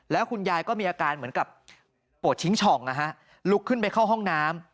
แล้วคุณยายก็มีอาการเหมือนกับปวดชิงช่องลุกขึ้นไปเข้าห้องน้ำ